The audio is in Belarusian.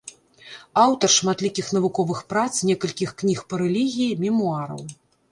Аўтар шматлікіх навуковых прац, некалькіх кніг па рэлігіі, мемуараў.